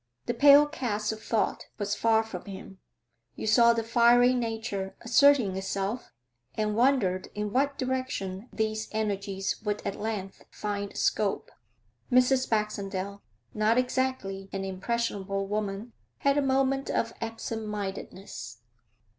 The pale cast of thought was far from him; you saw the fiery nature asserting itself, and wondered in what direction these energies would at length find scope. Mrs. Baxendale, not exactly an impressionable woman, had a moment of absent mindedness.